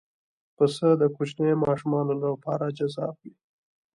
پسه د کوچنیو ماشومانو لپاره جذاب وي.